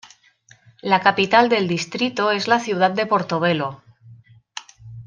La capital del distrito es la ciudad de Portobelo.